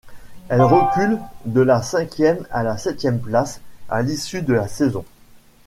Elle recule de la cinquième à la septième place à l'issue de la saison.